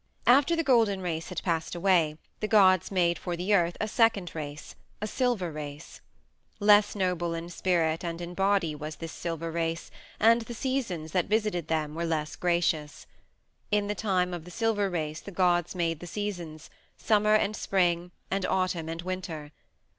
After the Golden Race had passed away, the gods made for the earth a second race a Silver Race. Less noble in spirit and in body was this Silver Race, and the seasons that visited them were less gracious. In the time of the Silver Race the gods made the seasons Summer and Spring, and Autumn and Winter.